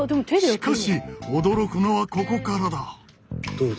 しかし驚くのはここからだ。